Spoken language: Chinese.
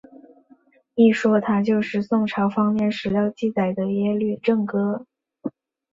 一说他就是宋朝方面史料记载的耶律郑哥。